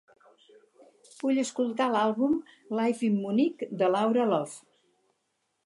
Vull escoltar l'àlbum "Live in Munich", de Laura Love.